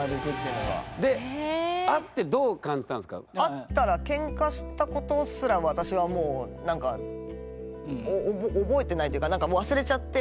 会ったらケンカしたことすら私はもう覚えてないというかなんかもう忘れちゃって。